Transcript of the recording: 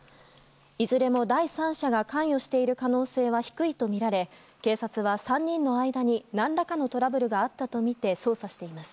いずれも第三者が関与している可能性は低いとみられ警察は３人の間に何らかのトラブルがあったとみて捜査しています。